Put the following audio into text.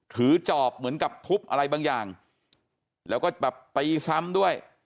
จอบเหมือนกับทุบอะไรบางอย่างแล้วก็แบบตีซ้ำด้วย